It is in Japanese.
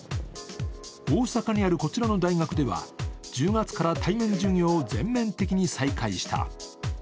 大阪にあるこちらの大学では１０月から対面授業を全面的に再開した。